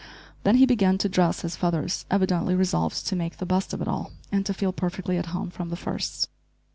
Then he began to dress his feathers, evidently resolved to make the best of it all, and to feel perfectly at home from the first.